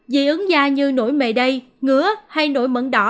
dị ứng da như nổi mề đầy ngứa hay nổi mẫn đỏ